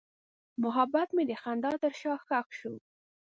محبت مې د خندا تر شا ښخ شو.